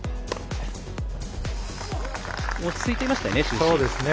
落ち着いていましたよね、終始。